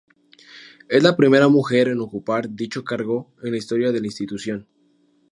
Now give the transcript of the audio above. Es la primera mujer en ocupar dicho cargo en la historia de la institución.